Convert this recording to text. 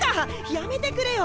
やめてくれよ！